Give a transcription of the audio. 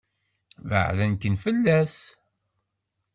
Baɛden-kem fell-as.